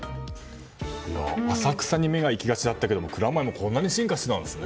浅草に目が行きがちだったけれども蔵前もこんなに進化していたんですね。